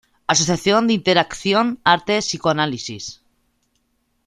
Asociación de Interacción Arte-Psicoanálisis.